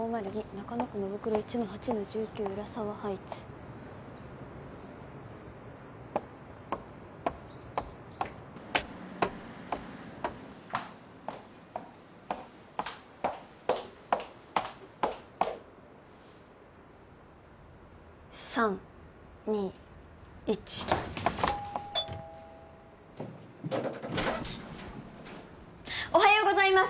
中野区野袋１−８−１９浦沢ハイツ３２１おはようございます！